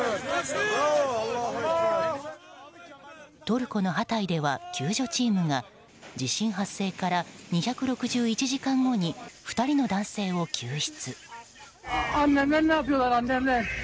トルコのハタイでは救助チームが地震発生から２６１時間後に２人の男性を救出。